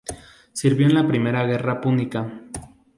Sirvió en la primera guerra púnica.